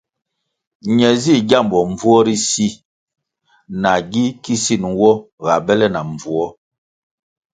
Ne zih gyambo mbvuo ri si na gi kisin nwo ga bele na mbvuo.